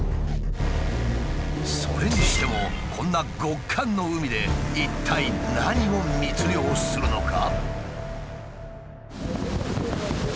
それにしてもこんな極寒の海で一体何を密漁するのか？